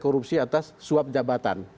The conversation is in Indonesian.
korupsi atas suap jabatan